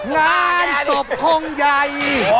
งานศพคงใหญ่